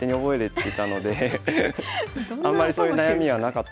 あんまりそういう悩みはなかったんですけど。